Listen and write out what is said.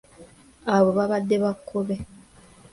Abo baba Bakkobe.